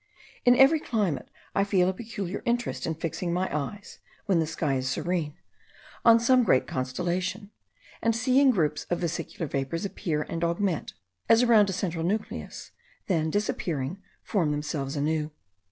In every climate I feel a peculiar interest in fixing my eyes, when the sky is serene, on some great constellation, and seeing groups of vesicular vapours appear and augment, as around a central nucleus, then, disappearing, form themselves anew.